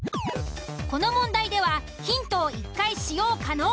この問題ではヒントを１回使用可能。